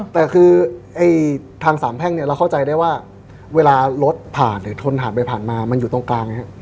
แต่คือทางสามแพ่งเนี่ยเราเข้าใจได้ว่าเวลารถผ่านหรือชนผ่านไปผ่านมามันอยู่ตรงกลาง